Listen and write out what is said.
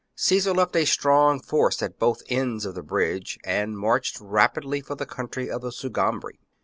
Caesar left a strong force at both ends of the bridge, and marched rapidly for the country of the Sugambri.